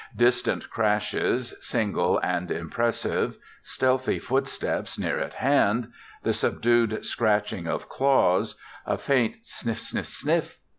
Distant crashes, single and impressive; stealthy footsteps near at hand; the subdued scratching of claws; a faint _sniff! sniff! sniff!